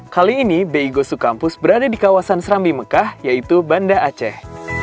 kali ini beigo sukampus berada di kawasan serambi mekah yaitu banda aceh